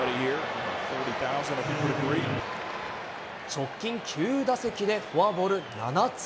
直近９打席でフォアボール７つ。